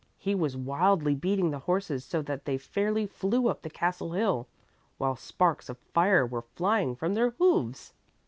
He was wildly beating the horses so that they fairly flew up the castle hill, while sparks of fire were flying from their hoofs."